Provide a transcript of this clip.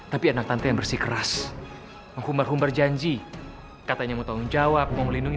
tapi anak tante yang bersih keras menghumar humbar janji katanya mau tanggung jawab mau melindungi